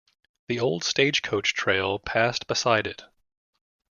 The Old Stagecoach Trail passed beside it.